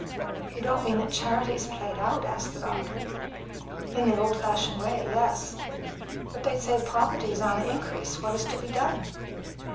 "You don't mean that charity is played out?" asked the doctor. "In the old fashioned way, yes." "But they say poverty is on the increase. What is to be done?"